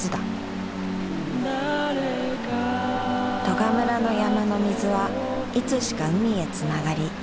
利賀村の山の水はいつしか海へ繋がり